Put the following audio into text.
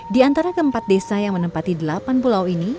di antara keempat desa yang menempati delapan pulau ini